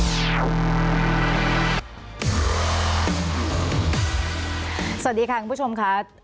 สวัสดีค่ะคุณผู้ชมค่ะ